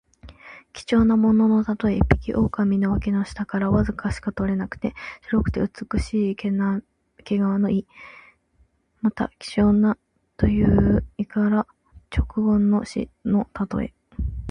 貴重なもののたとえ。一匹の狐の脇の下からわずかしか取れない白くて美しい毛皮の意。また、希少なという意から直言の士のたとえ。